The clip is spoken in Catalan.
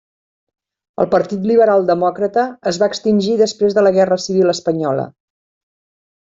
El Partit Liberal Demòcrata es va extingir després de la Guerra Civil espanyola.